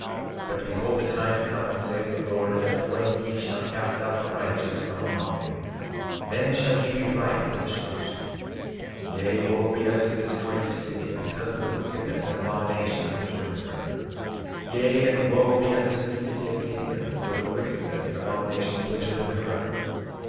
But behold, the time cometh, saith the Lord, that when ye shall cast out the righteous from among you, then shall ye be ripe for destruction; yea, wo be unto this great city, because of the wickedness and abominations which are in her. 13:15 Yea, and wo be unto the city of Gideon, for the wickedness and abominations which are in her.